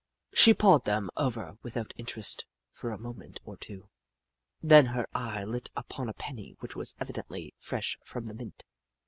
She pawed them over with out interest for a moment or two, then her eye lit upon a penny which was evidently fresh from the mint.